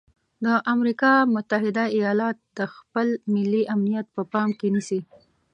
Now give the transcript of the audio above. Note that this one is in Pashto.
د امریکا متحده ایالات د خپل ملي امنیت په پام کې نیسي.